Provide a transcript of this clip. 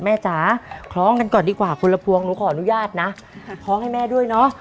จ๋าคล้องกันก่อนดีกว่าคนละพวงหนูขออนุญาตนะคล้องให้แม่ด้วยเนาะ